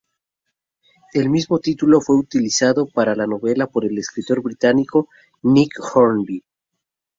El mismo título fue usado para una novela por el escritor británico Nick Hornby.